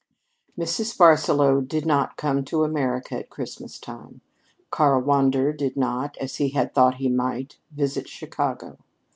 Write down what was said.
Mrs. Barsaloux did not come to America at Christmas time. Karl Wander did not as he had thought he might visit Chicago.